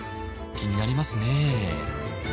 気になりますね。